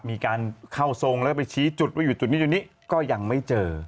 มีการเข้าทรงแล้วก็ไปชี้จุดว่าอยู่จุดนี้จุดนี้ก็ยังไม่เจอ